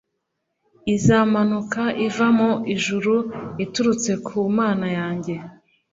izamanuka iva mu ijuru iturutse ku Mana yanjye,